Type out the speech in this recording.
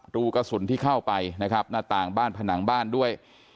รูกระสุนที่เข้าไปนะครับหน้าต่างบ้านผนังบ้านด้วย